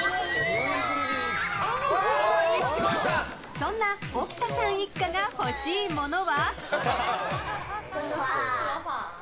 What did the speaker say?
そんな置田さん一家が欲しいものは？